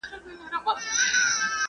موږ بايد ښه عادتونه خپل کړو.